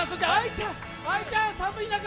愛ちゃん、寒い中！